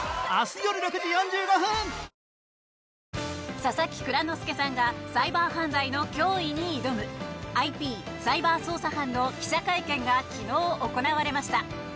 佐々木蔵之介さんがサイバー犯罪の脅威に挑む「ＩＰサイバー捜査班」の記者会見が昨日行われました。